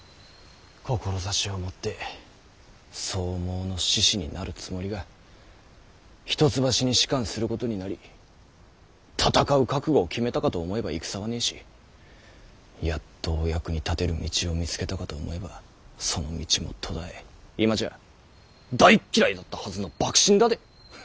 志を持って草莽の志士になるつもりが一橋に仕官することになり戦う覚悟を決めたかと思えば戦はねぇしやっとお役に立てる道を見つけたかと思えばその道も途絶え今じゃ大っ嫌いだったはずの幕臣だで。